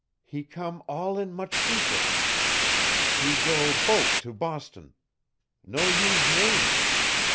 He come all in much secret. He go boat to Boston. No use name.